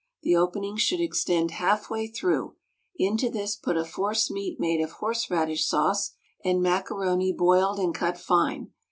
The opening should extend half way through; into this put a force meat made of horseradish sauce[89 *] and macaroni boiled and cut fine.